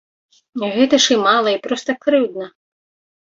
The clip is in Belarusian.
Гэта ж і мала, і проста крыўдна.